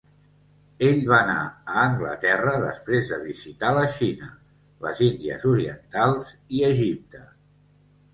Ell va anar a Anglaterra després de visitar la Xina, les Índies Orientals i Egipte.